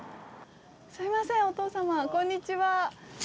すいませんお父様こんにちは。